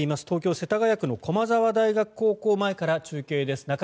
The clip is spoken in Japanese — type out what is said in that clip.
東京・世田谷区の駒澤大学高校前から中継です。